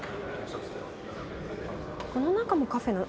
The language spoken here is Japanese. この中もカフェなの？